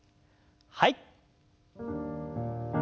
はい。